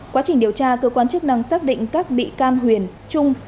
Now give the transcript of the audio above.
quá trình điều tra cơ quan chức năng xác định các bị can huyền trung